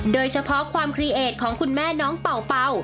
โดยเฉพาะความครีเอทของคุณแม่น้องเป่าเป่า